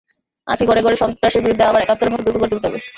আজকে ঘরে ঘরে সন্ত্রাসের বিরুদ্ধে আবার একাত্তরের মতো দুর্গ গড়ে তুলতে হবে।